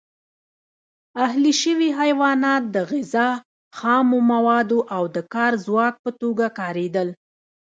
اهلي شوي حیوانات د غذا، خامو موادو او د کار ځواک په توګه کارېدل.